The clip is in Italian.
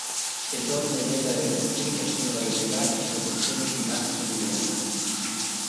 Le donne nella redazione sono relegate a posizioni di basso livello.